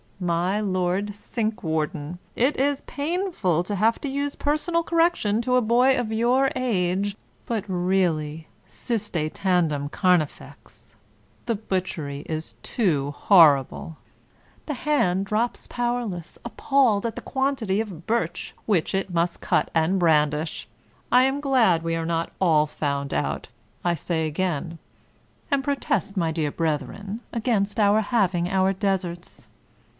My Lord Cinqwarden, it is painful to have to use personal cor rection to a boy of your age ; but really ... Siste tandem carnifex! The butchery is too horrible. The hand drops 215 English Mystery Stories powerless, appalled at the quantity of birch which it must cut and brandish. I am glad we are not all found out, I say again ; and protest, my dear brethren, against our hav ing our deserts.